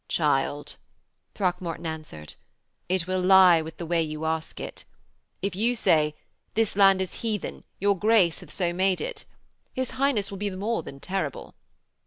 'Child,' Throckmorton answered, 'it will lie with the way you ask it. If you say: "This land is heathen, your Grace hath so made it," his Highness will be more than terrible.